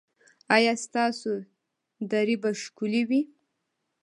ایا ستاسو درې به ښکلې وي؟